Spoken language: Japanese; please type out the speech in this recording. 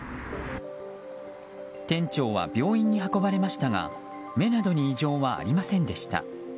店長は病院に運ばれましたが目などに異常はありませんでした。